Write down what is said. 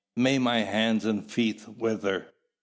May my hands and feet wither!